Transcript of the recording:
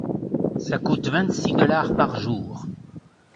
Ça coûte vingt-six dollars par jour.